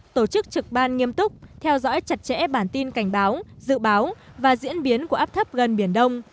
tổ chức trực ban nghiêm túc theo dõi chặt chẽ bản tin cảnh báo dự báo và diễn biến của áp thấp gần biển đông